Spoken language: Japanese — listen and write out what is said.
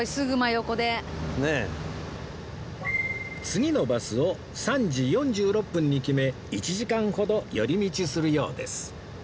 次のバスを３時４６分に決め１時間ほど寄り道するようです